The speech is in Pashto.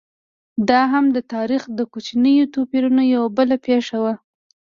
دا هم د تاریخ د کوچنیو توپیرونو یوه بله پېښه وه.